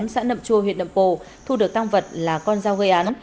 xã nậm chua huyện nậm pồ thu được tăng vật là con dao gây án